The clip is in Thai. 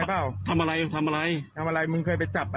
พบยาอะไรเว้า